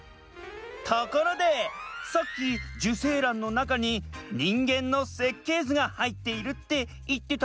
ところでさっき受精卵のなかに人間の設計図がはいっているっていってたよね。